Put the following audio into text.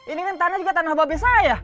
ini kan tanah juga tanah babi saya